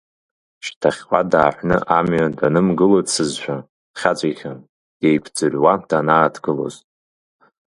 Шьҭахьҟа дааҳәны амҩа данымгылацызшәа, дхьаҵәихьан, деиқәӡырҩуа данааҭгылоз.